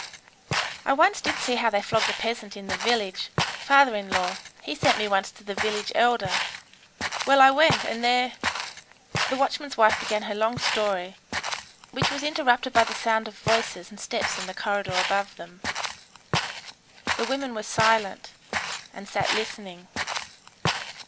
"I once did see how they flogged a peasant in the village. Father in law, he sent me once to the village elder. Well, I went, and there ..." The watchman's wife began her long story, which was interrupted by the sound of voices and steps in the corridor above them. The women were silent, and sat listening.